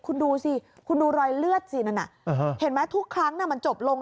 คุณดูสิคุณดูรอยเลือดสินั่นน่ะเห็นไหมทุกครั้งมันจบลง